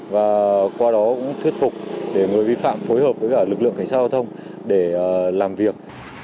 và qua đó cũng thuyết phục để người vi phạm phối hợp với cả lực lượng cảnh sát giao thông để làm việc